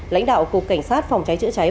lãnh đạo cục cảnh sát phòng cháy chữa cháy